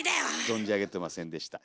存じ上げてませんでした。